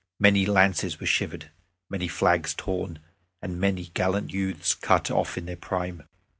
Many lances were shivered, many flags torn, and many gallant youths cut off in their prime.